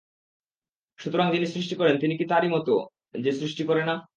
সুতরাং যিনি সৃষ্টি করেন, তিনি কি তারই মত, যে সৃষ্টি করে না?